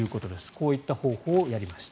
こういった方法をやりました。